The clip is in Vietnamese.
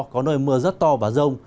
có nơi mưa rất to và rông